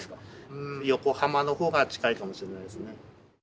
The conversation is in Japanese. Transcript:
うん横浜の方が近いかもしれないですね。